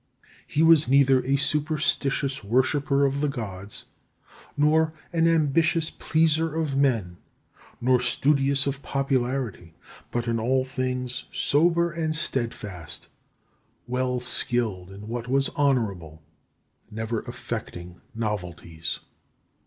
He was neither a superstitious worshipper of the Gods, nor an ambitious pleaser of men, nor studious of popularity, but in all things sober and steadfast, well skilled in what was honourable, never affecting novelties.